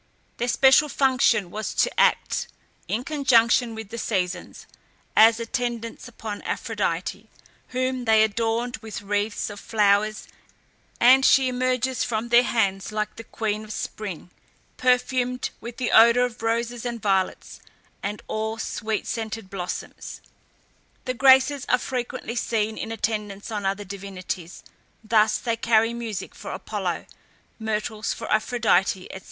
Their special function was to act, in conjunction with the Seasons, as attendants upon Aphrodite, whom they adorned with wreaths of flowers, and she emerges from their hands like the Queen of Spring, perfumed with the odour of roses and violets, and all sweet scented blossoms. The Graces are frequently seen in attendance on other divinities; thus they carry music for Apollo, myrtles for Aphrodite, &c.